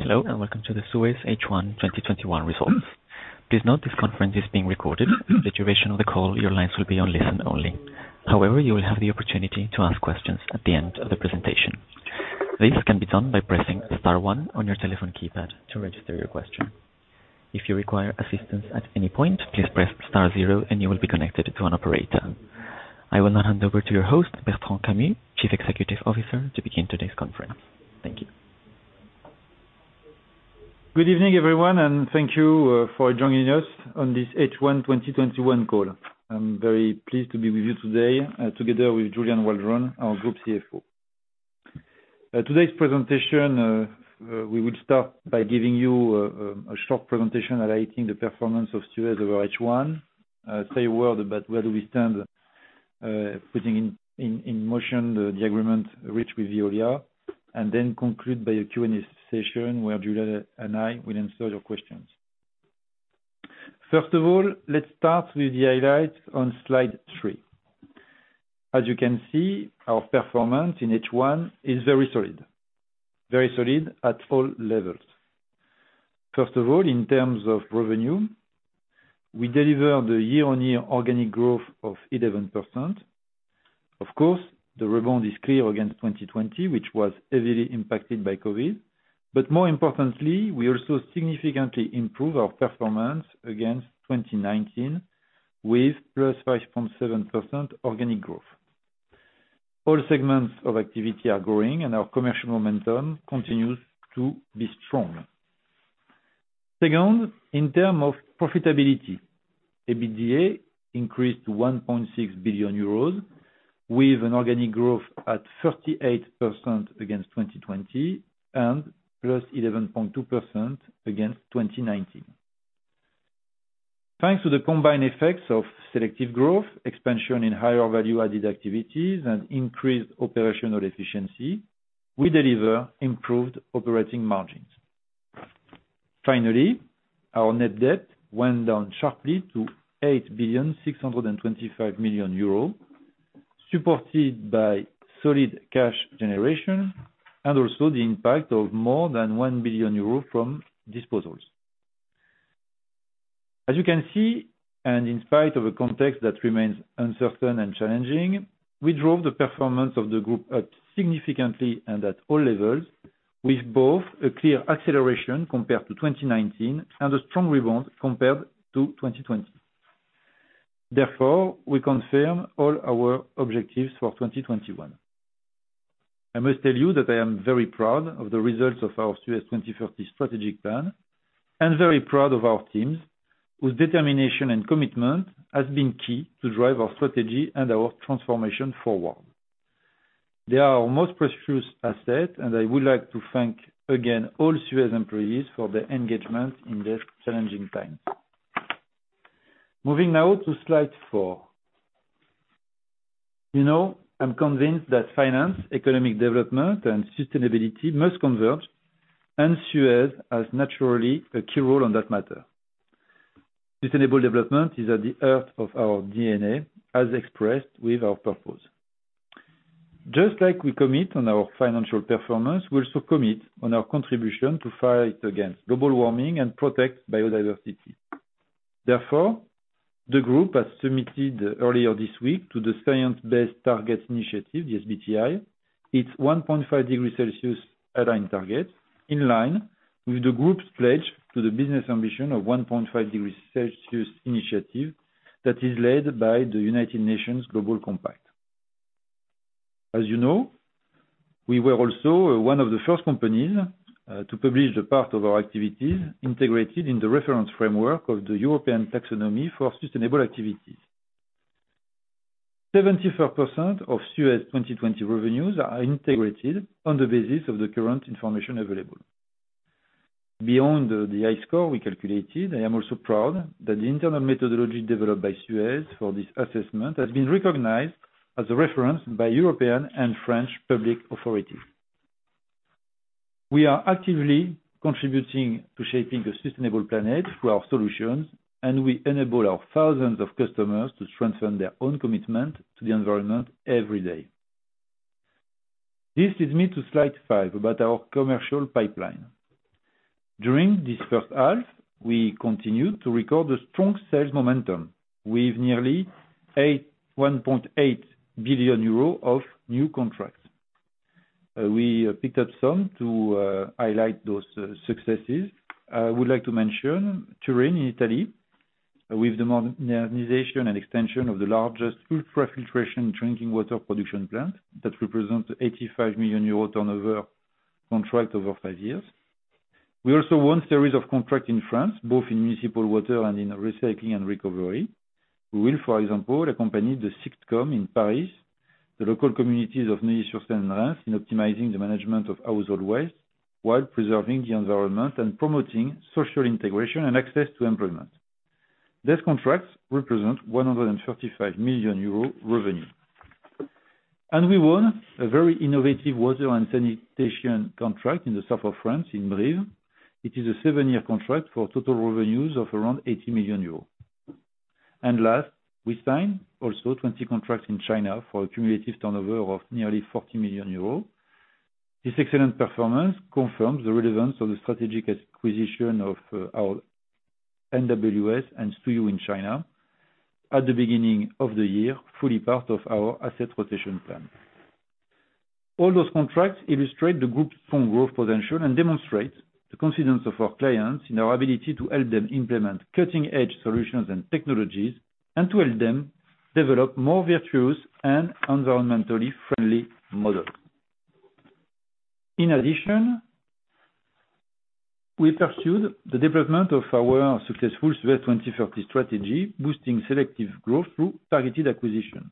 Hello, welcome to The Suez H1 2021 Results. Please note this conference is being recorded. For the duration of the call, your lines will be on listen only. However, you will have the opportunity to ask questions at the end of the presentation. This can be done by pressing star one on your telephone keypad to register your question. If you require assistance at any point, please press star zero and you will be connected to an operator. I will now hand over to your host, Bertrand Camus, Chief Executive Officer, to begin today's conference. Thank you. Good evening, everyone, thank you for joining us on this H1 2021 call. I'm very pleased to be with you today, together with Julian Waldron, our Group Chief Financial Officer. Today's presentation, we will start by giving you a short presentation highlighting the performance of Suez over H1, say a word about where do we stand, putting in motion the agreement reached with Veolia, and then conclude by a Q&A session where Julian and I will answer your questions. First of all, let's start with the highlights on slide three. As you can see, our performance in H1 is very solid. Very solid at all levels. First of all, in terms of revenue, we deliver the year-on-year organic growth of 11%. Of course, the rebound is clear against 2020, which was heavily impacted by COVID. More importantly, we also significantly improve our performance against 2019 with plus 5.7% organic growth. All segments of activity are growing, and our commercial momentum continues to be strong. Second, in terms of profitability, EBITDA increased to 1.6 billion euros, with an organic growth at 38% against 2020, and +11.2% against 2019. Thanks to the combined effects of selective growth, expansion in higher value-added activities, and increased operational efficiency, we deliver improved operating margins. Finally, our net debt went down sharply to 8.625 billion, supported by solid cash generation, and also the impact of more than 1 billion euros from disposals. As you can see, and in spite of a context that remains uncertain and challenging, we drove the performance of the group up significantly and at all levels, with both a clear acceleration compared to 2019 and a strong rebound compared to 2020. Therefore, we confirm all our objectives for 2021. I must tell you that I am very proud of the results of our Suez 2030 Strategic Plan, and very proud of our teams, whose determination and commitment has been key to drive our strategy and our transformation forward. They are our most precious asset, and I would like to thank again all Suez employees for their engagement in this challenging time. Moving now to slide four. I'm convinced that finance, economic development, and sustainability must converge, and Suez has naturally a key role on that matter. Sustainable development is at the heart of our DNA, as expressed with our purpose. Just like we commit on our financial performance, we also commit on our contribution to fight against global warming and protect biodiversity. The group has submitted earlier this week to the Science Based Targets initiative, the SBTi, its 1.5 degree Celsius align target, in line with the group's pledge to the business ambition of 1.5 degree Celsius initiative that is led by the United Nations Global Compact. As you know, we were also one of the first companies to publish the part of our activities integrated in the reference framework of the EU Taxonomy for sustainable activities. 74% of Suez 2020 revenues are integrated on the basis of the current information available. Beyond the high score we calculated, I am also proud that the internal methodology developed by Suez for this assessment has been recognized as a reference by European and French public authorities. We are actively contributing to shaping a sustainable planet through our solutions. We enable our thousands of customers to strengthen their own commitment to the environment every day. This leads me to slide five, about our commercial pipeline. During this first half, we continued to record a strong sales momentum, with nearly 1.8 billion euro of new contracts. We picked up some to highlight those successes. I would like to mention Turin in Italy, with the modernization and extension of the largest ultrafiltration drinking water production plant that represents 85 million euro turnover contract over five years. We also won series of contract in France, both in municipal water and in recycling and recovery. We will, for example, accompany the Syctom in Paris, the local communities of Neuilly-sur-Seine in optimizing the management of household waste while preserving the environment and promoting social integration and access to employment. These contracts represent 135 million euro revenue. We won a very innovative water and sanitation contract in the South of France in Brive. It is a seven-year contract for total revenues of around 80 million euros. Last, we signed also 20 contracts in China for a cumulative turnover of nearly 40 million euros. This excellent performance confirms the relevance of the strategic acquisition of our NWS and SUEZ NWS in China at the beginning of the year, fully part of our asset rotation plan. All those contracts illustrate the group's strong growth potential and demonstrate the confidence of our clients in our ability to help them implement cutting-edge solutions and technologies, and to help them develop more virtuous and environmentally friendly model. In addition, we pursued the development of our successful Suez 2030 Strategy, boosting selective growth through targeted acquisition.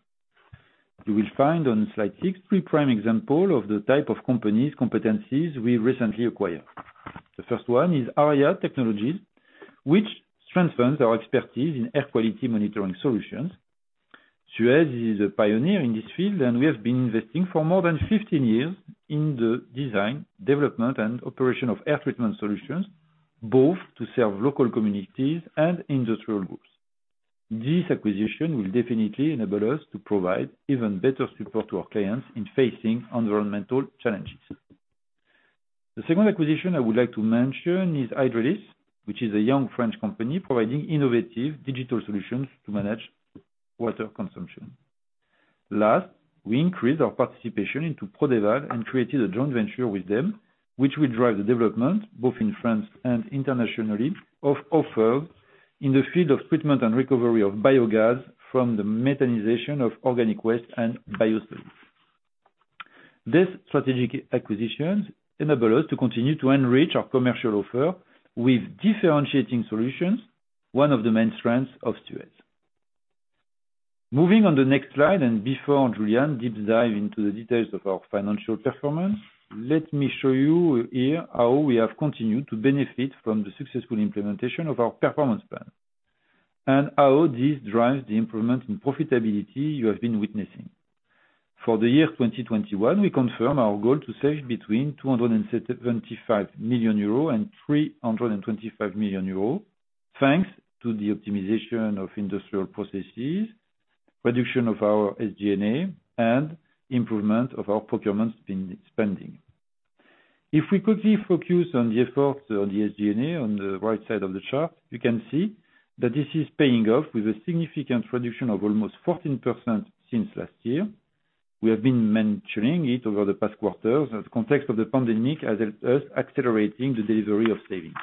You will find on slide six, three prime example of the type of company's competencies we recently acquired. The first one is ARIA Technologies, which strengthens our expertise in air quality monitoring solutions. Suez is a pioneer in this field, and we have been investing for more than 15 years in the design, development, and operation of air treatment solutions, both to serve local communities and industrial groups. This acquisition will definitely enable us to provide even better support to our clients in facing environmental challenges. The second acquisition I would like to mention is Hydrelis, which is a young French company providing innovative digital solutions to manage water consumption. Last, we increased our participation into PRODEVAL and created a joint venture with them, which will drive the development both in France and internationally of offer in the field of treatment and recovery of biogas from the methanization of organic waste and biosolid. These strategic acquisitions enable us to continue to enrich our commercial offer with differentiating solutions, one of the main strengths of Suez. Moving on the next slide, and before Julian deep dive into the details of our financial performance, let me show you here how we have continued to benefit from the successful implementation of our performance plan and how this drives the improvement in profitability you have been witnessing. For the year 2021, we confirm our goal to save between 275 million euros and 325 million euros, thanks to the optimization of industrial processes, reduction of our SG&A, and improvement of our procurement spending. If we quickly focus on the effort on the SG&A on the right side of the chart, you can see that this is paying off with a significant reduction of almost 14% since last year. We have been mentioning it over the past quarters as context of the pandemic has helped us accelerating the delivery of savings.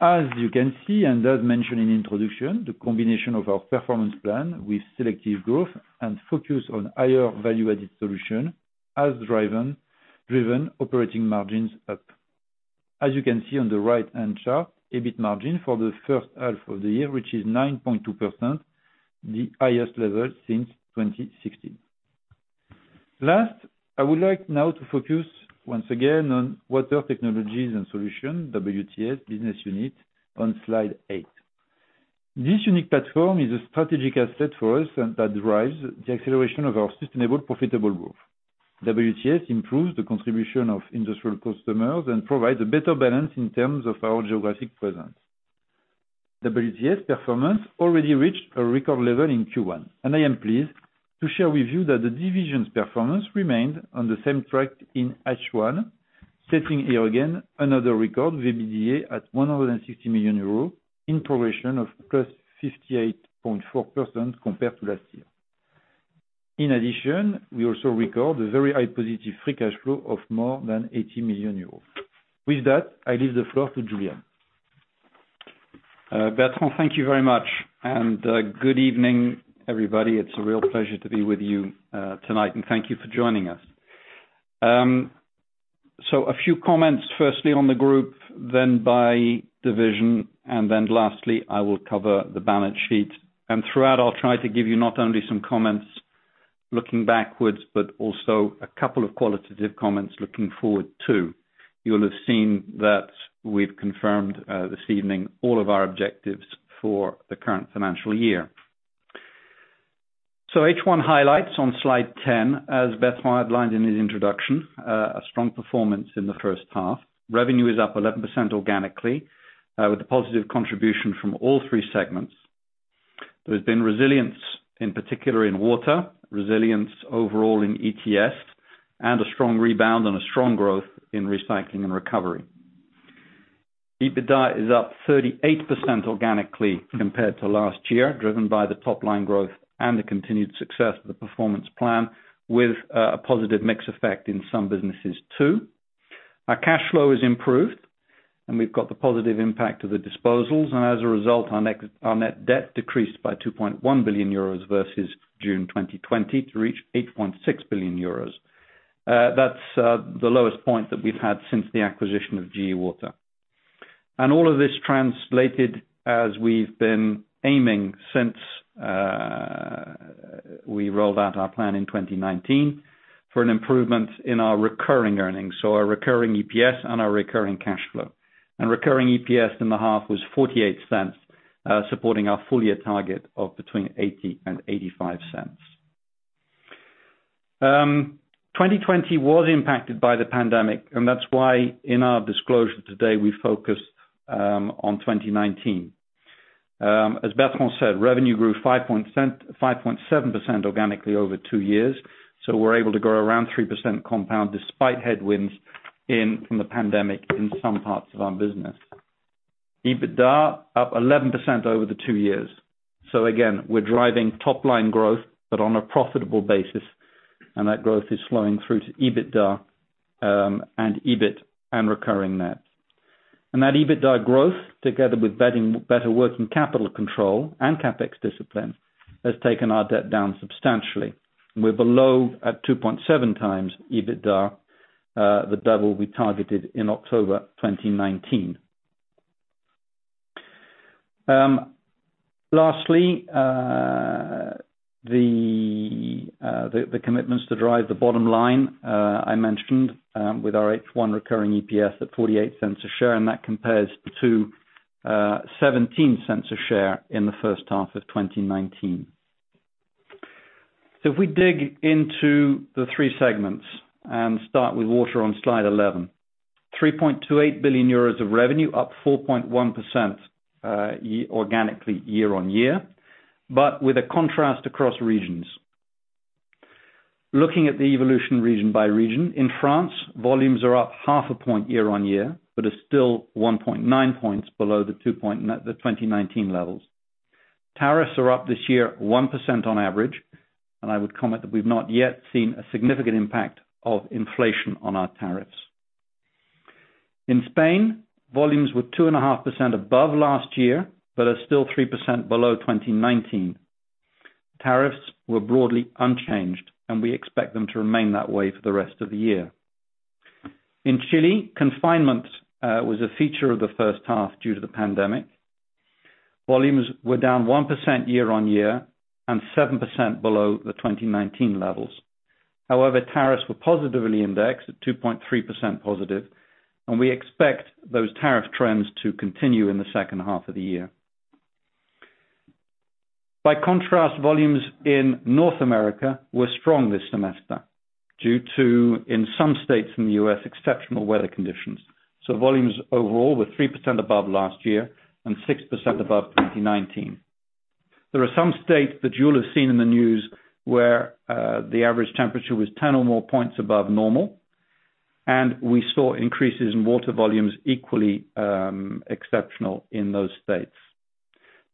As you can see, and as mentioned in introduction, the combination of our performance plan with selective growth and focus on higher value-added solution has driven operating margins up. As you can see on the right-hand chart, EBIT margin for the first half of the year, which is 9.2%, the highest level since 2016. Last, I would like now to focus once again on Water Technologies & Solutions, WTS business unit on slide eight. This unique platform is a strategic asset for us, and that drives the acceleration of our sustainable profitable growth. WTS improves the contribution of industrial customers and provides a better balance in terms of our geographic presence. WTS performance already reached a record level in Q1, I am pleased to share with you that the division's performance remained on the same track in H1, setting here again another record, EBITDA, at 160 million euros, in progression of +58.4% compared to last year. In addition, we also record a very high positive free cash flow of more than 80 million euros. With that, I leave the floor to Julian. Bertrand, thank you very much, and good evening, everybody. It's a real pleasure to be with you tonight, and thank you for joining us. A few comments, firstly on the group, then by division, and then lastly, I will cover the balance sheet. Throughout, I'll try to give you not only some comments looking backwards, but also a couple of qualitative comments looking forward, too. You'll have seen that we've confirmed this evening all of our objectives for the current financial year. H1 highlights on slide 10, as Bertrand outlined in his introduction, a strong performance in the first half. Revenue is up 11% organically, with a positive contribution from all three segments. There's been resilience, in particular in water, resilience overall in ETS, and a strong rebound and a strong growth in recycling and recovery. EBITDA is up 38% organically compared to last year, driven by the top-line growth and the continued success of the performance plan, with a positive mix effect in some businesses, too. Our cash flow has improved, we've got the positive impact of the disposals. As a result, our net debt decreased by 2.1 billion euros versus June 2020 to reach 8.6 billion euros. That's the lowest point that we've had since the acquisition of GE Water. All of this translated, as we've been aiming since we rolled out our plan in 2019, for an improvement in our recurring earnings, so our recurring EPS and our recurring cash flow. Recurring EPS in the half was 0.48, supporting our full-year target of between 0.80 and 0.85. 2020 was impacted by the pandemic, and that's why in our disclosure today, we focused on 2019. As Bertrand said, revenue grew 5.7% organically over two years. We're able to grow around 3% compound despite headwinds in from the pandemic in some parts of our business. EBITDA up 11% over the two years. Again, we're driving top line growth, but on a profitable basis, and that growth is flowing through to EBITDA, and EBIT and recurring net. That EBITDA growth, together with better working capital control and CapEx discipline, has taken our debt down substantially. We're below at 2.7x EBITDA, the level we targeted in October 2019. Lastly, the commitments to drive the bottom line, I mentioned, with our H1 recurring EPS at 0.48 a share, and that compares to 0.17 a share in H1 2019. If we dig into the three segments and start with water on slide 11, 3.28 billion euros of revenue up 4.1% organically year-on-year, but with a contrast across regions. Looking at the evolution region by region, in France, volumes are up half a point year-on-year, but are still 1.9 points below the 2019 levels. Tariffs are up this year, 1% on average, and I would comment that we've not yet seen a significant impact of inflation on our tariffs. In Spain, volumes were 2.5% above last year, but are still 3% below 2019. Tariffs were broadly unchanged, and we expect them to remain that way for the rest of the year. In Chile, confinement was a feature of the first half due to the pandemic. Volumes were down 1% year-on-year and 7% below the 2019 levels. Tariffs were positively indexed at 2.3% positive, and we expect those tariff trends to continue in the second half of the year. By contrast, volumes in North America were strong this semester due to, in some states in the U.S., exceptional weather conditions. Volumes overall were 3% above last year and 6% above 2019. There are some states that you'll have seen in the news where the average temperature was 10 or more points above normal, and we saw increases in water volumes equally exceptional in those states.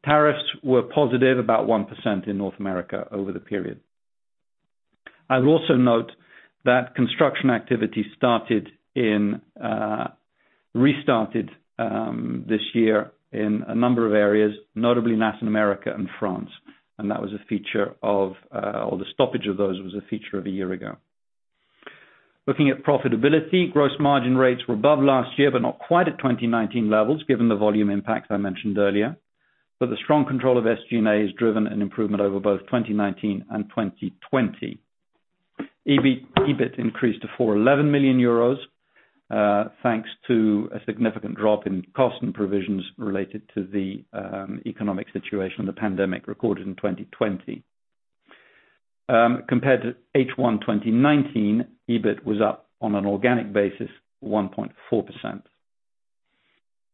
Tariffs were positive about 1% in North America over the period. I would also note that construction activity restarted this year in a number of areas, notably Latin America and France, and the stoppage of those was a feature of a year ago. Looking at profitability, gross margin rates were above last year, but not quite at 2019 levels given the volume impacts I mentioned earlier. The strong control of SG&A has driven an improvement over both 2019 and 2020. EBIT increased to 411 million euros, thanks to a significant drop in cost and provisions related to the economic situation and the pandemic recorded in 2020. Compared to H1 2019, EBIT was up on an organic basis 1.4%.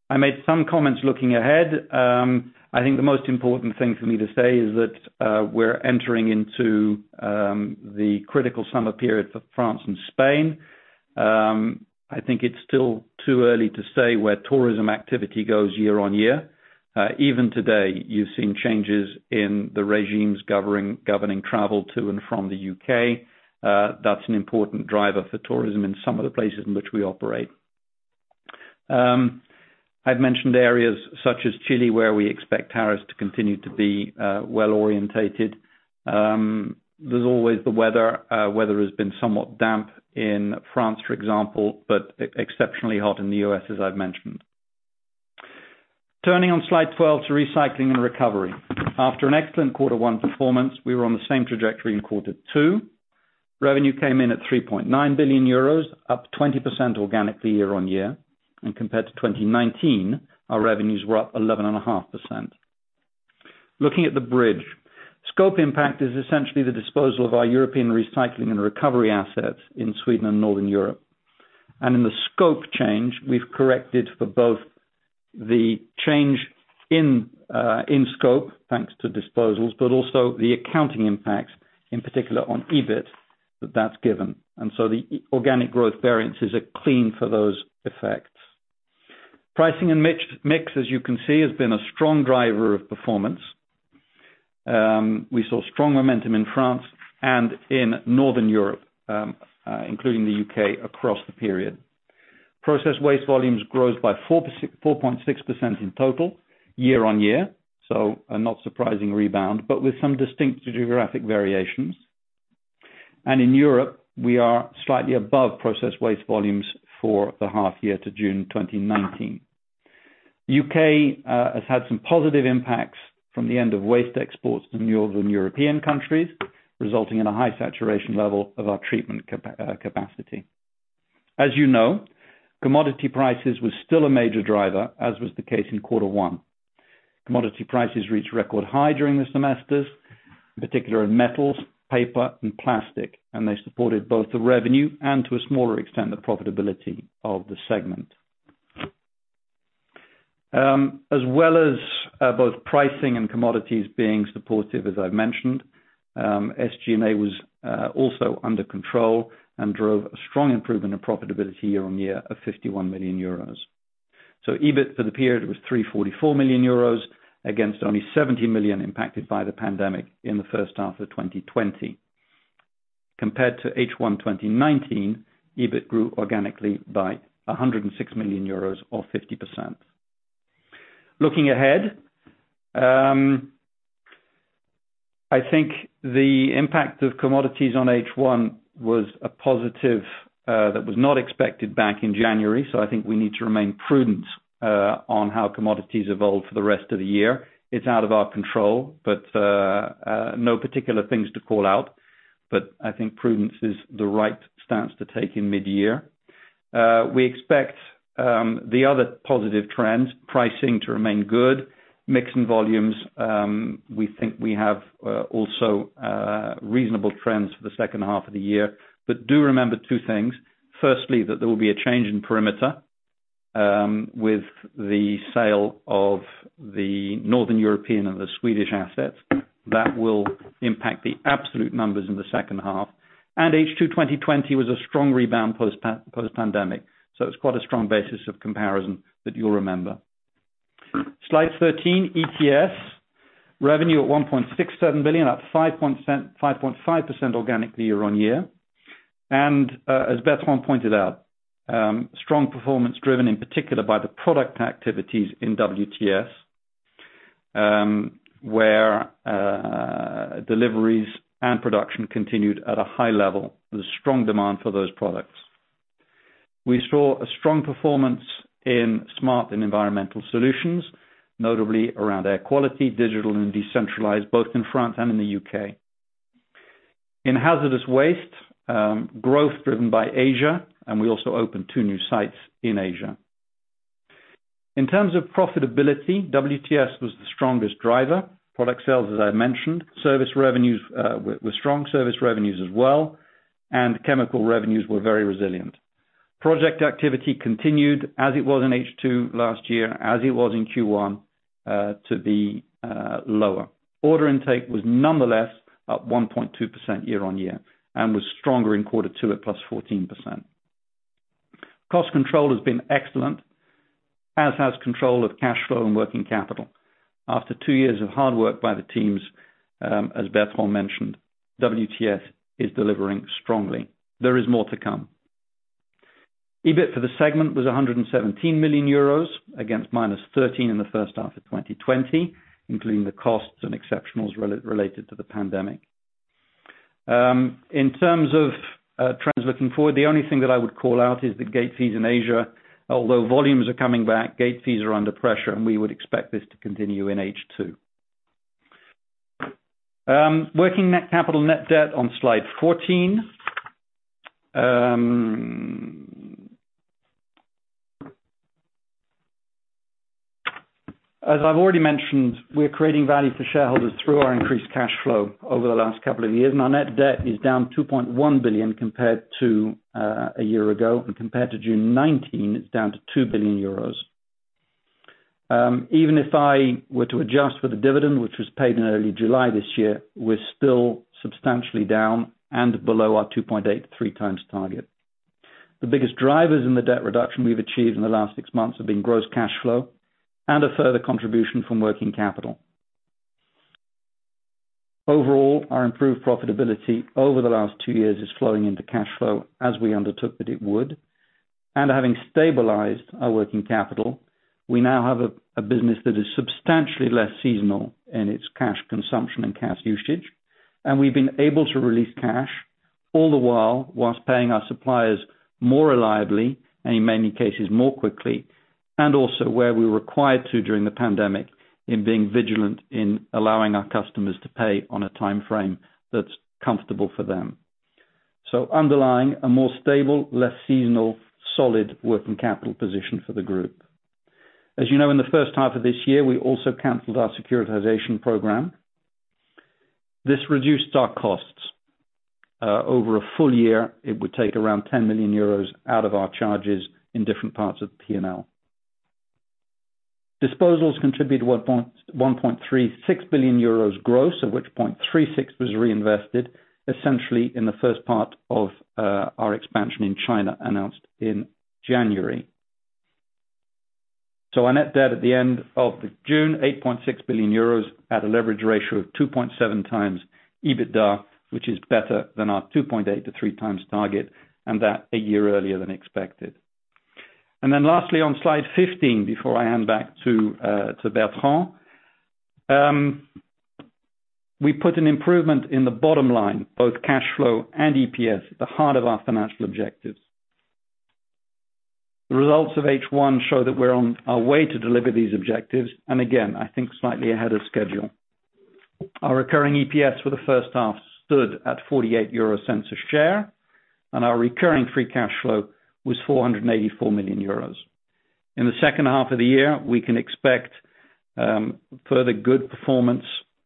I made some comments looking ahead. I think the most important thing for me to say is that we're entering into the critical summer periods of France and Spain. I think it's still too early to say where tourism activity goes year-on-year. Even today, you've seen changes in the regimes governing travel to and from the U.K. That's an important driver for tourism in some of the places in which we operate. I've mentioned areas such as Chile where we expect tariffs to continue to be well-orientated. There's always the weather. Weather has been somewhat damp in France, for example, but exceptionally hot in the U.S. as I've mentioned. Turning on slide 12 to recycling and recovery. After an excellent Q1 performance, we were on the same trajectory in Q2. Revenue came in at 3.9 billion euros, up 20% organically year-on-year. Compared to 2019, our revenues were up 11.5%. Looking at the bridge, scope impact is essentially the disposal of our European recycling and recovery assets in Sweden and Northern Europe. In the scope change, we've corrected for both the change in scope, thanks to disposals, but also the accounting impact, in particular on EBIT that's given. The organic growth variances are clean for those effects. Pricing and mix, as you can see, has been a strong driver of performance. We saw strong momentum in France and in Northern Europe, including the U.K. across the period. Process waste volumes grows by 4.6% in total year-on-year, so a not surprising rebound, but with some distinct geographic variations. In Europe, we are slightly above process waste volumes for the half year to June 2019. U.K. has had some positive impacts from the end of waste exports to Northern European countries, resulting in a high saturation level of our treatment capacity. As you know, commodity prices was still a major driver, as was the case in quarter one. Commodity prices reached record high during the semesters, in particular in metals, paper, and plastic, and they supported both the revenue and to a smaller extent, the profitability of the segment. As well as both pricing and commodities being supportive, as I've mentioned, SG&A was also under control and drove a strong improvement in profitability year-on-year of 51 million euros. EBIT for the period was 344 million euros against only 70 million impacted by the pandemic in the first half of 2020. Compared to H1 2019, EBIT grew organically by 106 million euros or 50%. Looking ahead, I think the impact of commodities on H1 was a positive that was not expected back in January. I think we need to remain prudent on how commodities evolve for the rest of the year. It's out of our control, but no particular things to call out. I think prudence is the right stance to take in mid-year. We expect the other positive trends, pricing to remain good. Mix and volumes, we think we have also reasonable trends for the second half of the year. Do remember two things. Firstly, that there will be a change in perimeter with the sale of the Northern European and the Swedish assets. That will impact the absolute numbers in the second half. H2 2020 was a strong rebound post pandemic, so it's quite a strong basis of comparison that you'll remember. Slide 13, ETS. Revenue at 1.67 billion, up 5.5% organically year on year. As Bertrand pointed out, strong performance driven in particular by the product activities in WTS, where deliveries and production continued at a high level. There's strong demand for those products. We saw a strong performance in Smart and Environmental Solutions, notably around air quality, digital and decentralized, both in France and in the U.K. In hazardous waste, growth driven by Asia, and we also opened two new sites in Asia. In terms of profitability, WTS was the strongest driver. Product sales, as I mentioned, service revenues were strong service revenues as well, and chemical revenues were very resilient. Project activity continued as it was in H2 last year, as it was in Q1, to be lower. Order intake was nonetheless up 1.2% year-on-year and was stronger in quarter two at +14%. Cost control has been excellent, as has control of cash flow and working capital. After two years of hard work by the teams, as Bertrand mentioned, WTS is delivering strongly. There is more to come. EBIT for the segment was 117 million euros against -13 million in the first half of 2020, including the costs and exceptionals related to the pandemic. In terms of trends looking forward, the only thing that I would call out is the gate fees in Asia. Although volumes are coming back, gate fees are under pressure. We would expect this to continue in H2. Working net capital net debt on slide 14. As I've already mentioned, we're creating value for shareholders through our increased cash flow over the last couple of years. Our net debt is down 2.1 billion compared to a year ago and compared to June 19, it's down to 2 billion euros. Even if I were to adjust for the dividend, which was paid in early July this year, we're still substantially down and below our 2.8x-3x target. The biggest drivers in the debt reduction we've achieved in the last six months have been gross cash flow and a further contribution from working capital. Over all our improved profitability over the last two years is flowing into cash flow as we undertook that it would. Having stabilized our working capital, we now have a business that is substantially less seasonal in its cash consumption and cash usage, and we've been able to release cash all the while whilst paying our suppliers more reliably and in many cases, more quickly, and also where we were required to during the pandemic in being vigilant in allowing our customers to pay on a timeframe that's comfortable for them. Underlying a more stable, less seasonal, solid working capital position for the group. As you know, in the first half of this year, we also canceled our securitization program. This reduced our costs. Over a full year, it would take around 10 million euros out of our charges in different parts of the P&L. Disposals contribute to 1.36 billion euros gross, of which 0.36 was reinvested, essentially in the first part of our expansion in China, announced in January. Our net debt at the end of June, 8.6 billion euros at a leverage ratio of 2.7x EBITDA, which is better than our 2.8x-3x target, and that a year earlier than expected. Lastly, on slide 15, before I hand back to Bertrand. We put an improvement in the bottom line, both cash flow and EPS at the heart of our financial objectives. The results of H1 show that we're on our way to deliver these objectives, and again, I think slightly ahead of schedule. Our recurring EPS for the first half stood at 0.48 a share, and our recurring free cash flow was 484 million euros. In the second half of the year, we can expect further good performance,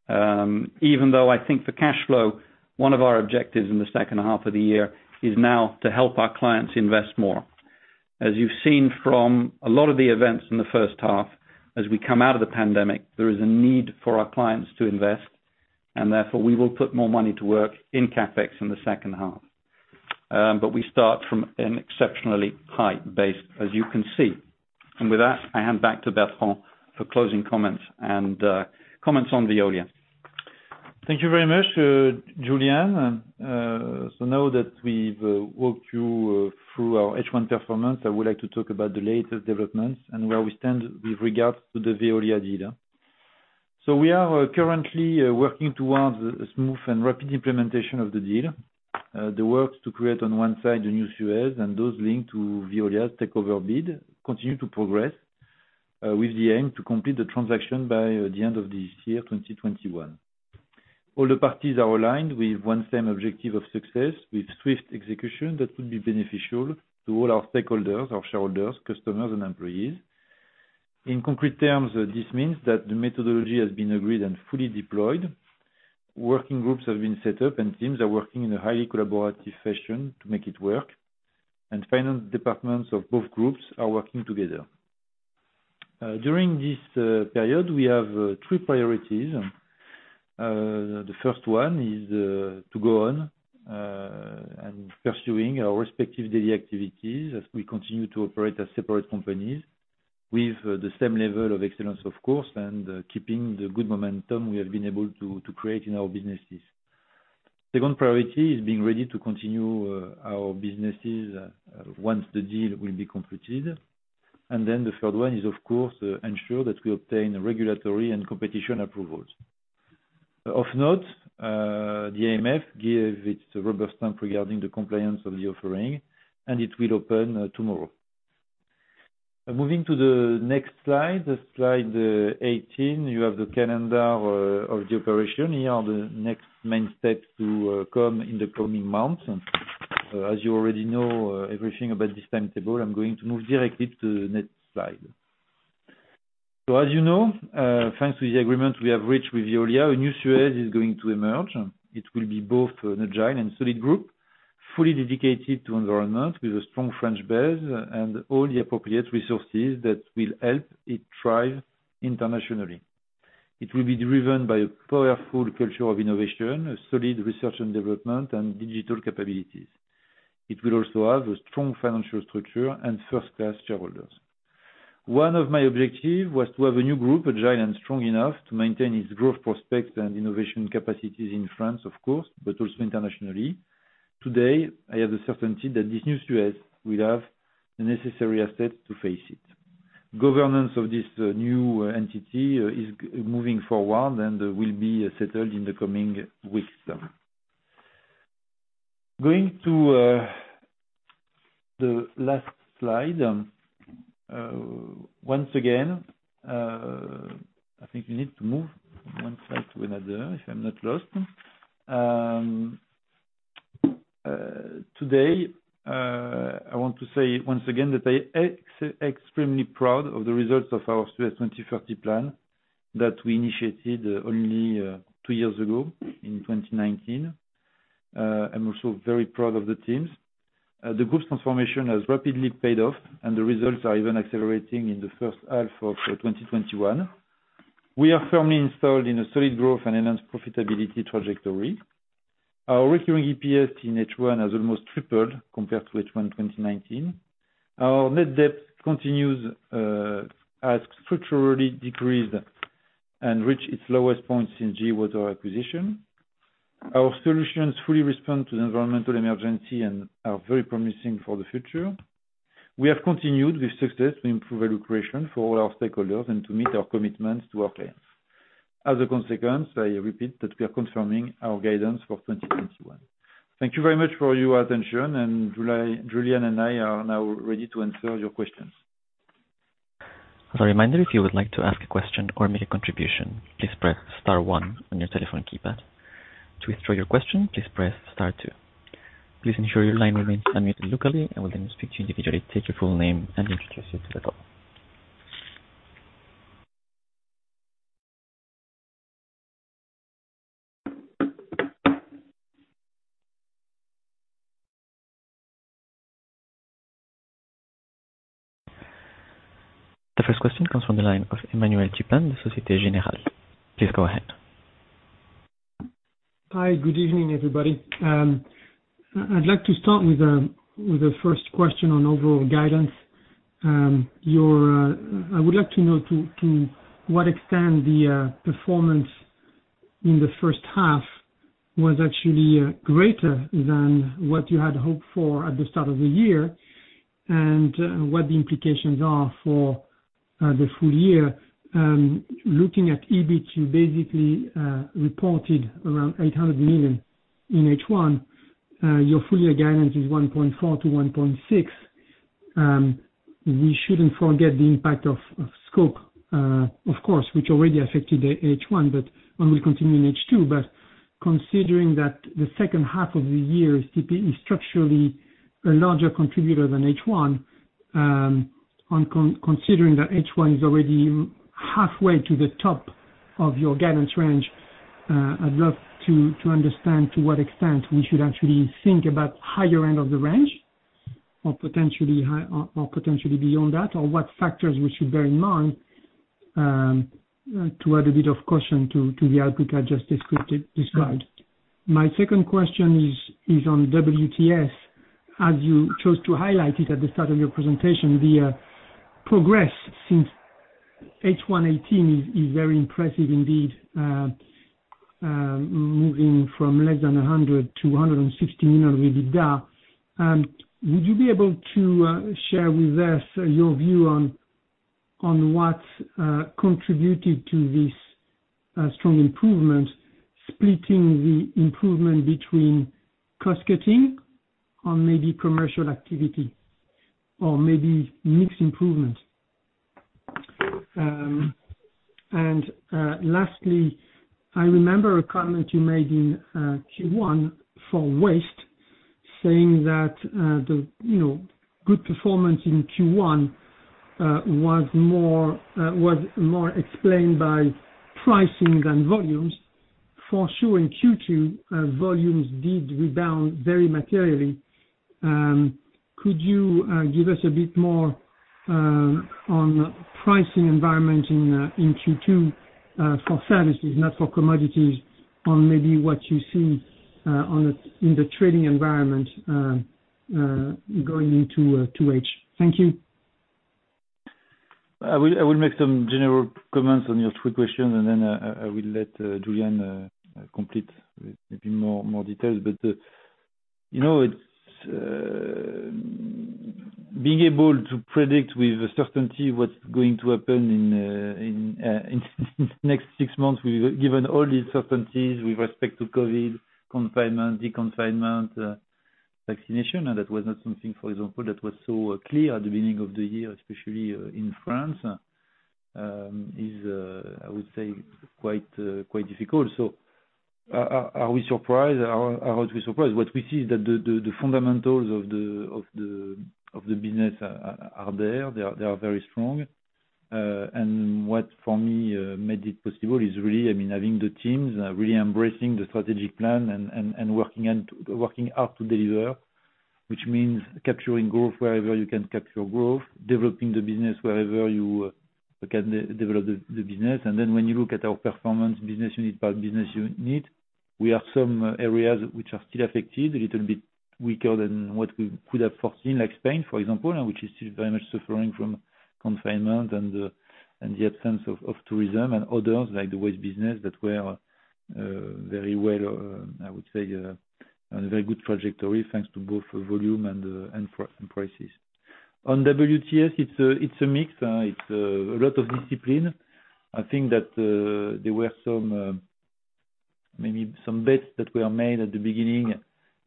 even though I think for cash flow, one of our objectives in the second half of the year is now to help our clients invest more. As you've seen from a lot of the events in the first half, as we come out of the pandemic, there is a need for our clients to invest, and therefore we will put more money to work in CapEx in the second half. We start from an exceptionally high base, as you can see. With that, I hand back to Bertrand for closing comments and comments on Veolia. Thank you very much, Julian. Now that we've walked you through our H1 performance, I would like to talk about the latest developments and where we stand with regards to the Veolia deal. [So we are currently working towards smoothen representation deal.] The work to create on one side a new Suez and those linked to Veolia's takeover bid continue to progress, with the aim to complete the transaction by the end of this year, 2021. All the parties are aligned with one same objective of success, with swift execution that would be beneficial to all our stakeholders, our shareholders, customers, and employees. In concrete terms, this means that the methodology has been agreed and fully deployed. Working groups have been set up, and teams are working in a highly collaborative fashion to make it work, and finance departments of both groups are working together. During this period, we have three priorities. The first one is to go on and pursuing our respective daily activities as we continue to operate as separate companies with the same level of excellence, of course, and keeping the good momentum we have been able to create in our businesses. Second priority is being ready to continue our businesses once the deal will be completed. The third one is, of course, ensure that we obtain regulatory and competition approvals. Of note, the AMF gave its rubber stamp regarding the compliance of the offering, and it will open tomorrow. Moving to the next slide 18. You have the calendar of the operation. Here are the next main steps to come in the coming months. As you already know everything about this timetable, I'm going to move directly to the next slide. As you know, thanks to the agreement we have reached with Veolia, a new Suez is going to emerge. It will be both an agile and solid group, fully dedicated to environment, with a strong French base and all the appropriate resources that will help it thrive internationally. It will be driven by a powerful culture of innovation, a solid research and development, and digital capabilities. It will also have a strong financial structure and first-class shareholders. One of my objective was to have a new group, agile and strong enough to maintain its growth prospects and innovation capacities in France, of course, but also internationally. Today, I have the certainty that this new Suez will have the necessary assets to face it. Governance of this new entity is moving forward and will be settled in the coming weeks. Going to the last slide. Once again I think we need to move one slide to another, if I'm not lost. Today, I want to say, once again, that I am extremely proud of the results of our Shaping SUEZ 2030 plan that we initiated only two years ago in 2019. I'm also very proud of the teams. The group's transformation has rapidly paid off, and the results are even accelerating in the first half of 2021. We are firmly installed in a solid growth and enhanced profitability trajectory. Our recurring EPS in H1 has almost tripled compared to H1 2019. Our net debt continues to structurally decrease and reached its lowest point since GE Water acquisition. Our solutions fully respond to the environmental emergency and are very promising for the future. We have continued with success to improve allocation for all our stakeholders and to meet our commitments to our clients. As a consequence, I repeat that we are confirming our guidance for 2021. Thank you very much for your attention, and Julian and I are now ready to answer your questions. The first question comes from the line of Emmanuel Chesneau, Société Générale. Please go ahead. Hi. Good evening, everybody. I'd like to start with the first question on overall guidance. I would like to know to what extent the performance in the first half was actually greater than what you had hoped for at the start of the year, and what the implications are for the full year. Looking at EBIT, you basically reported around 800 million in H1. Your full year guidance is 1.4 billion-1.6 billion. We shouldn't forget the impact of scope, of course, which already affected the H1, but will continue in H2. Considering that the second half of the year is structurally a larger contributor than H1, considering that H1 is already halfway to the top of your guidance range, I'd love to understand to what extent we should actually think about higher end of the range or potentially beyond that, or what factors we should bear in mind to add a bit of caution to the outlook I just described. My second question is on WTS, as you chose to highlight it at the start of your presentation, the progress since H1 2018 is very impressive indeed, moving from less than 100 million to 160 million EBITDA. Would you be able to share with us your view on what contributed to this strong improvement, splitting the improvement between cost-cutting or maybe commercial activity, or maybe mixed improvement? Lastly, I remember a comment you made in Q1 for waste, saying that the good performance in Q1 was more explained by pricing than volumes. Sure, in Q2, volumes did rebound very materially. Could you give us a bit more on pricing environment in Q2 for services, not for commodities, on maybe what you see in the trading environment going into 2H. Thank you. I will make some general comments on your three questions and then I will let Julian complete with maybe more details. Being able to predict with certainty what's going to happen in the next six months, given all the uncertainties with respect to COVID, confinement, de-confinement, vaccination, and that was not something, for example, that was so clear at the beginning of the year, especially in France, is, I would say quite difficult. Are we surprised? What we see is that the fundamentals of the business are there. They are very strong. What, for me made it possible is really, having the teams really embracing the Strategic Plan and working hard to deliver, which means capturing growth wherever you can capture growth, developing the business wherever you can develop the business. When you look at our performance business unit by business unit, we have some areas which are still affected a little bit weaker than what we could have foreseen, like Spain, for example, which is still very much suffering from confinement and the absence of tourism and others, like the waste business that were very well, I would say, on a very good trajectory, thanks to both volume and prices. On WTS, it's a mix. It's a lot of discipline. I think that there were maybe some bets that were made at the beginning,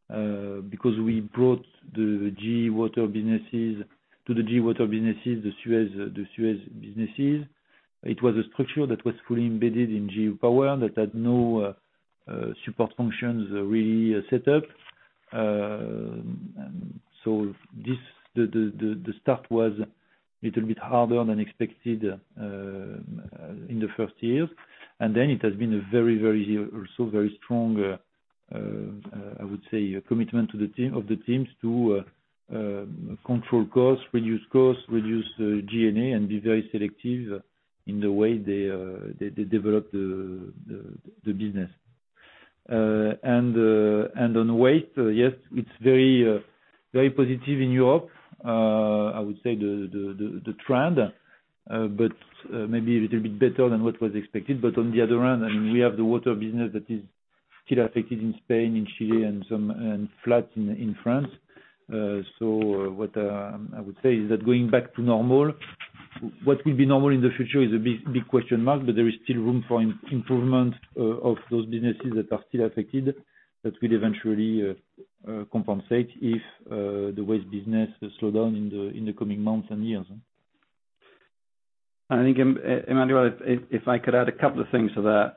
because we brought to the GE Water businesses, the Suez businesses. It was a structure that was fully embedded in GE Power that had no support functions really set up. The start was little bit harder than expected in the first years. It has been a very strong, I would say, commitment of the teams to control costs, reduce costs, reduce G&A, and be very selective in the way they develop the business. On waste, yes, it's very positive in Europe. I would say the trend, maybe a little bit better than what was expected. On the other hand, we have the water business that is still affected in Spain, in Chile, and flat in France. What I would say is that going back to normal, what will be normal in the future is a big question mark, but there is still room for improvement of those businesses that are still affected that will eventually compensate if the waste business will slow down in the coming months and years. I think Emmanuel, if I could add a couple of things to that.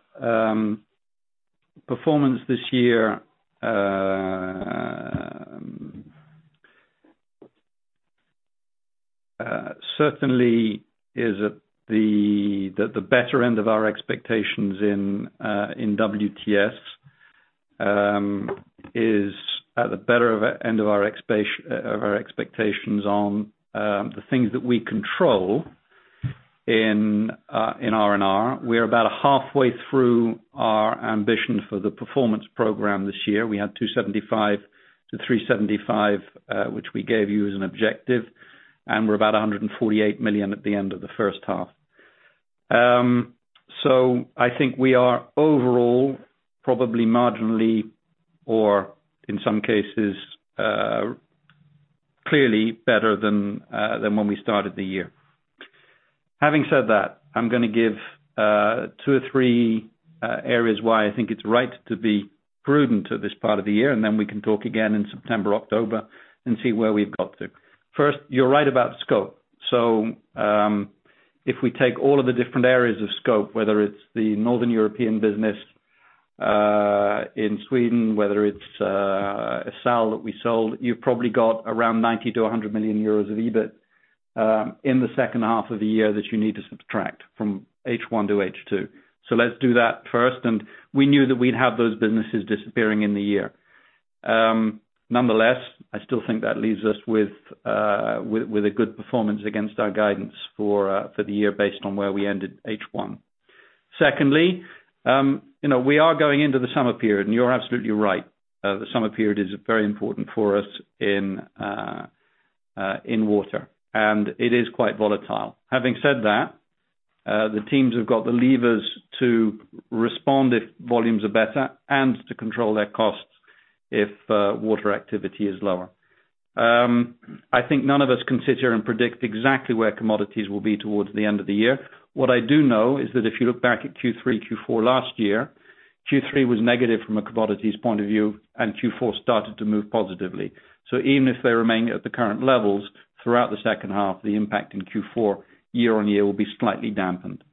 Performance this year certainly is at the better end of our expectations in WTS, is at the better end of our expectations on the things that we control in R&R. We're about halfway through our ambition for the performance program this year. We had 275 million-375 million, which we gave you as an objective, and we're about 148 million at the end of the first half. I think we are overall, probably marginally or in some cases, clearly better than when we started the year. Having said that, I'm going to give two or three areas why I think it's right to be prudent at this part of the year, and then we can talk again in September, October, and see where we've got to. First, you're right about scope. If we take all of the different areas of scope, whether it's the Northern European business in Sweden, whether it's a sale that we sold, you've probably got around 90 million-100 million euros of EBIT in H2 that you need to subtract from H1 to H2. Let's do that first, and we knew that we'd have those businesses disappearing in the year. Nonetheless, I still think that leaves us with a good performance against our guidance for the year based on where we ended H1. Secondly, we are going into the summer period, and you're absolutely right. The summer period is very important for us in water, and it is quite volatile. Having said that, the teams have got the levers to respond if volumes are better and to control their costs if water activity is lower. I think none of us can sit here and predict exactly where commodities will be towards the end of the year. What I do know is that if you look back at Q3, Q4 last year, Q3 was negative from a commodities point of view. Q4 started to move positively. Even if they remain at the current levels throughout the second half, the impact in Q4 year-on-year will be slightly dampened.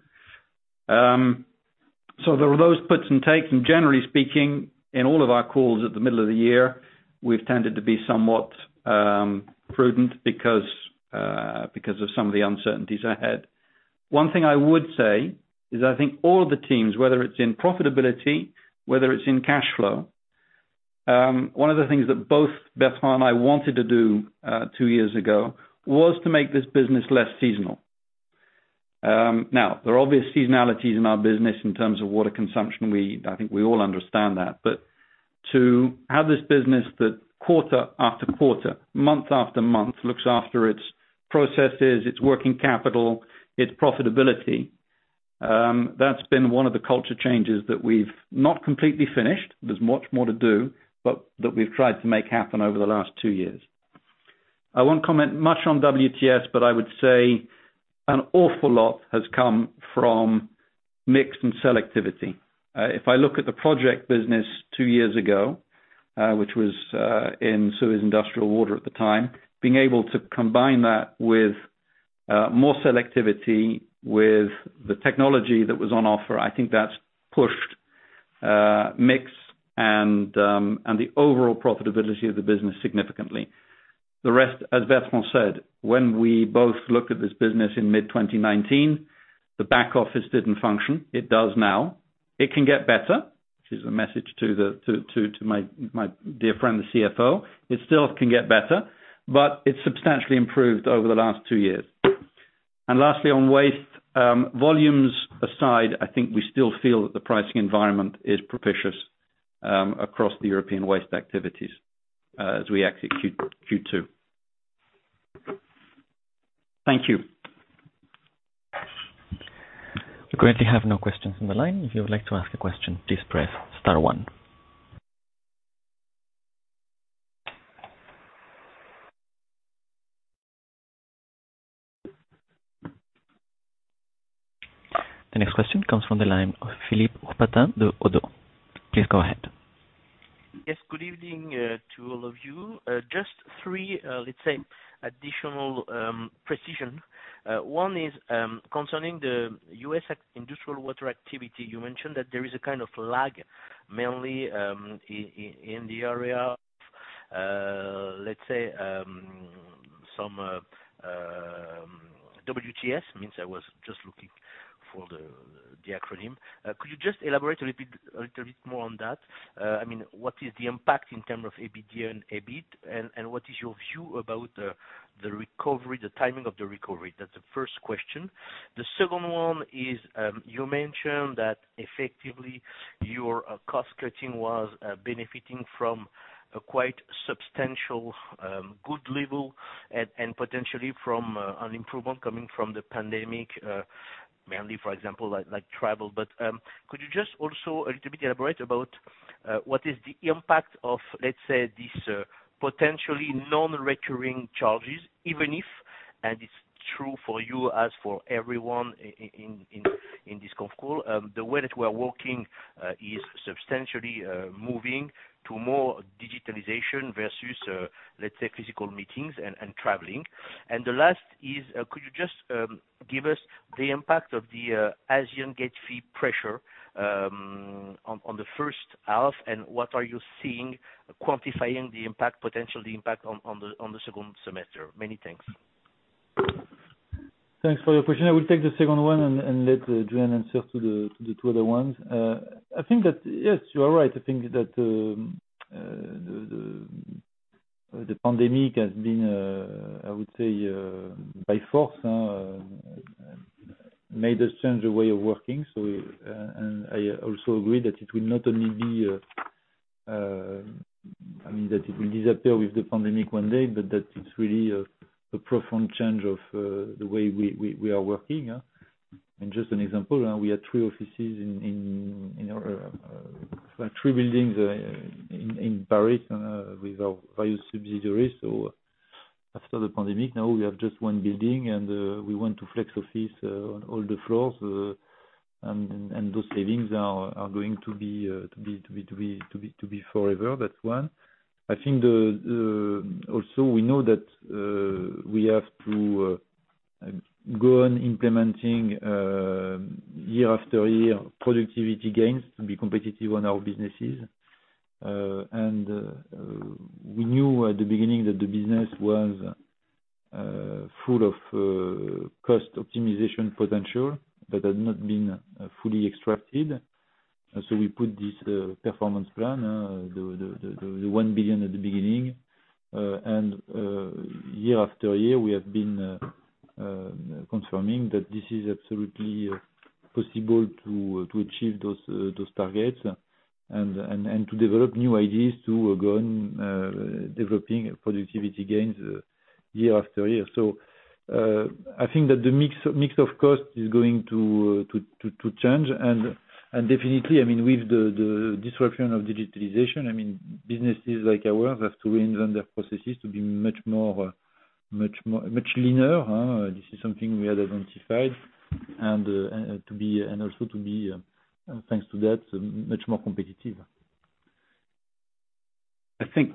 There are those puts and takes. Generally speaking, in all of our calls at the middle of the year, we've tended to be somewhat prudent because of some of the uncertainties ahead. One thing I would say is I think all of the teams, whether it's in profitability, whether it's in cash flow, one of the things that both Bertrand and I wanted to do two years ago was to make this business less seasonal. There are obvious seasonalities in our business in terms of water consumption. I think we all understand that, but to have this business that quarter after quarter, month after month, looks after its processes, its working capital, its profitability, that's been one of the culture changes that we've not completely finished, there's much more to do, but that we've tried to make happen over the last two years. I won't comment much on WTS, but I would say an awful lot has come from mix and selectivity. If I look at the project business two years ago, which was in Suez Industrial Water at the time, being able to combine that with more selectivity with the technology that was on offer, I think that's pushed mix and the overall profitability of the business significantly. The rest, as Bertrand said, when we both looked at this business in mid-2019, the back office didn't function. It does now. It can get better, which is a message to my dear friend, the CFO. It still can get better, but it's substantially improved over the last two years. Lastly, on waste, volumes aside, I think we still feel that the pricing environment is propitious across the European waste activities as we exit Q2. Thank you. We currently have no questions on the line. If you would like to ask a question, please press star 1. The next question comes from the line of Philippe Ourpatian de ODDO. Please go ahead. Yes, good evening to all of you. Just three, let's say, additional precision. One is concerning the U.S. industrial water activity. You mentioned that there is a kind of lag mainly in the area of, let's say, some WTS, means I was just looking for the acronym. Could you just elaborate a little bit more on that? What is the impact in terms of EBITDA and EBIT, and what is your view about the timing of the recovery? That's the first question. The second one is, you mentioned that effectively your cost-cutting was benefiting from a quite substantial good level and potentially from an improvement coming from the pandemic, mainly, for example, like travel. Could you just also a little bit elaborate about what is the impact of, let's say, these potentially non-recurring charges, even if, and it's true for you as for everyone in this conference call, the way that we are working is substantially moving to more digitalization versus, let's say, physical meetings and traveling. The last is, could you just give us the impact of the Asian gate fee pressure on the first half, and what are you seeing quantifying the potential impact on the second semester? Many thanks. Thanks for your question. I will take the second one and let Julian answer to the two other ones. I think that, yes, you are right. I think that the pandemic has been, I would say, by force, made us change the way of working. I also agree that, I mean, that it will disappear with the pandemic one day, but that it's really a profound change of the way we are working. Just an example, we had three offices in our three buildings in Paris with our various subsidiaries. After the pandemic, now we have just one building, and we went to flex office on all the floors, and those savings are going to be forever. That's one. I think also we know that we have to go on implementing, year after year, productivity gains to be competitive on our businesses. We knew at the beginning that the business was full of cost optimization potential that had not been fully extracted. We put this performance plan, the 1 billion at the beginning. Year after year, we have been confirming that this is absolutely possible to achieve those targets and to develop new ideas to go on developing productivity gains year after year. I think that the mix of cost is going to change and definitely with the disruption of digitalization, businesses like ours have to reinvent their processes to be much leaner. This is something we had identified, and also to be, thanks to that, much more competitive. I think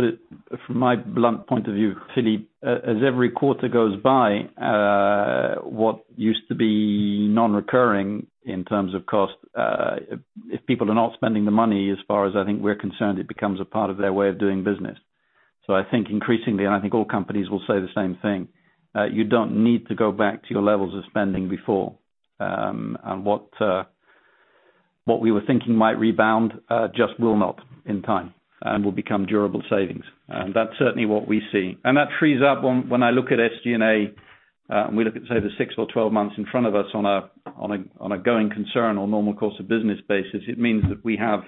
to put it from my blunt point of view, Philippe, as every quarter goes by, what used to be non-recurring in terms of cost, if people are not spending the money, as far as I think we're concerned, it becomes a part of their way of doing business. I think increasingly, and I think all companies will say the same thing, you don't need to go back to your levels of spending before. What we were thinking might rebound, just will not in time, and will become durable savings. That's certainly what we see. That frees up when I look at SG&A, and we look at, say, the six or 12 months in front of us on a going concern or normal course of business basis, it means that we have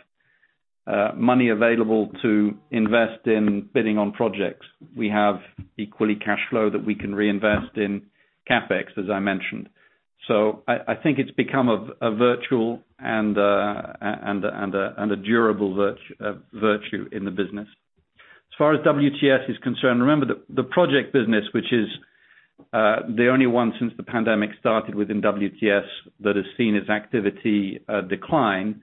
money available to invest in bidding on projects. We have equally cash flow that we can reinvest in CapEx, as I mentioned. I think it's become a virtual and a durable virtue in the business. As far as WTS is concerned, remember the project business, which is the only one since the pandemic started within WTS that has seen its activity decline,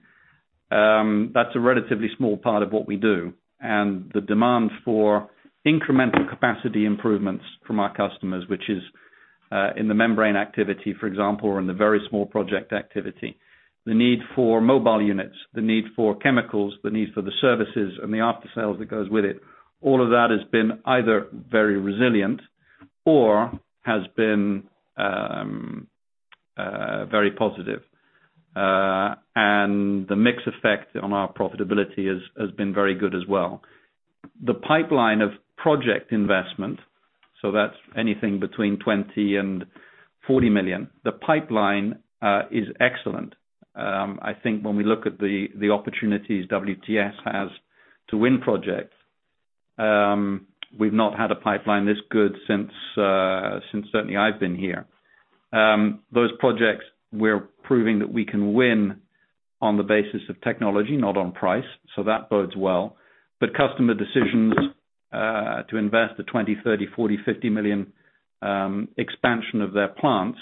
that's a relatively small part of what we do. The demand for incremental capacity improvements from our customers, which is in the membrane activity, for example, or in the very small project activity. The need for mobile units, the need for chemicals, the need for the services, and the aftersales that goes with it, all of that has been either very resilient or has been very positive. The mix effect on our profitability has been very good as well. The pipeline of project investment, that's anything between 20 million and 40 million. The pipeline is excellent. I think when we look at the opportunities WTS has to win projects, we've not had a pipeline this good since, certainly I've been here. Those projects we're proving that we can win on the basis of technology, not on price, that bodes well. Customer decisions to invest the 20 million, 30 million, 40 million, 50 million expansion of their plants,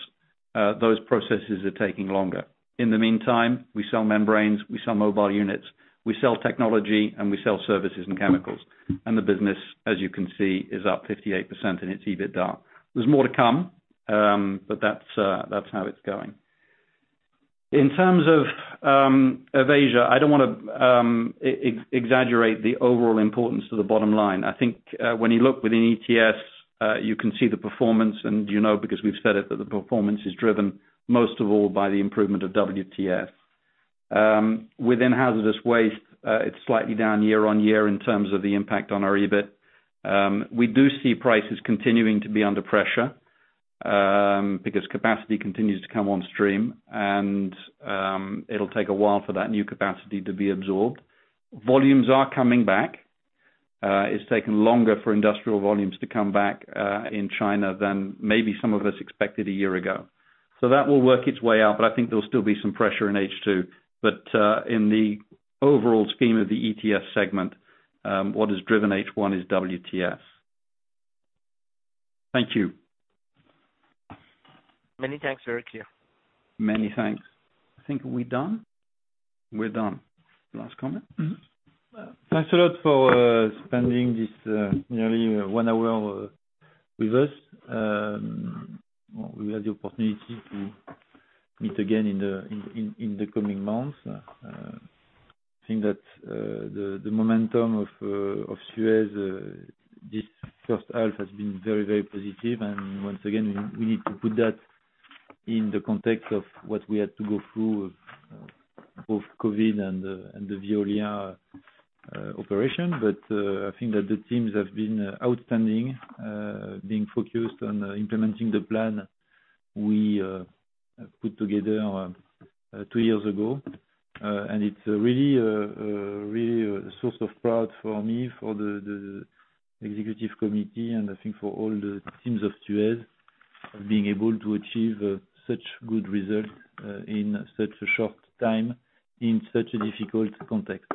those processes are taking longer. In the meantime, we sell membranes, we sell mobile units, we sell technology, and we sell services and chemicals. The business, as you can see, is up 58% in its EBITDA. There's more to come, that's how it's going. In terms of Asia, I don't want to exaggerate the overall importance to the bottom line. I think when you look within ETS, you can see the performance and you know because we've said it, that the performance is driven most of all by the improvement of WTS. Within hazardous waste, it's slightly down year-on-year in terms of the impact on our EBIT. We do see prices continuing to be under pressure, capacity continues to come on stream and it'll take a while for that new capacity to be absorbed. Volumes are coming back. It's taken longer for industrial volumes to come back in China than maybe some of us expected a year ago. That will work its way out, I think there'll still be some pressure in H2. In the overall scheme of the ETS segment, what has driven H1 is WTS. Thank you. Many thanks. Very clear. Many thanks. I think we're done. We're done. Last comment? Thanks a lot for spending this nearly one hour with us. We have the opportunity to meet again in the coming months. I think that the momentum of Suez this first half has been very, very positive. Once again, we need to put that in the context of what we had to go through with both COVID and the Veolia operation. I think that the teams have been outstanding, being focused on implementing the plan we put together two years ago. It's really a source of pride for me, for the executive committee, and I think for all the teams of Suez, of being able to achieve such good results in such a short time, in such a difficult context.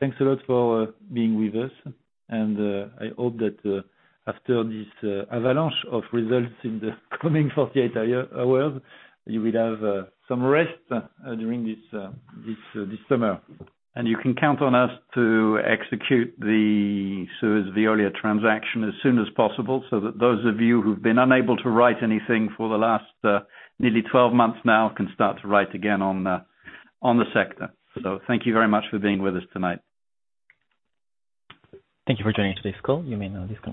Thanks a lot for being with us, and I hope that after this avalanche of results in the coming 48 hours, you will have some rest during this summer. You can count on us to execute the Suez-Veolia transaction as soon as possible, so that those of you who've been unable to write anything for the last nearly 12 months now can start to write again on the sector. Thank you very much for being with us tonight. Thank you for joining today's call. You may now disconnect.